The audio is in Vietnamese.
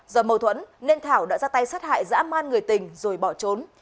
do mâu thuẫn nên thảo đã ra tay sát hại dã man người tình rồi bỏ trốn